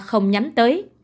không nhắm tới